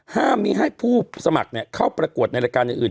ห้ามมีให้ผู้สมัครเข้าประกวดในรายการอื่น